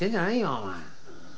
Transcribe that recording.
お前。